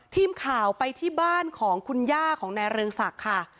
ทีมข่าวไปที่บ้านของคุณย่าของนายเรืองศักดิ์ค่ะ